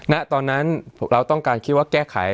ณตอนนั้นเราต้องการคิดว่าแก้ไข